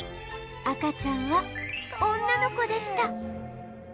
赤ちゃんは女の子でした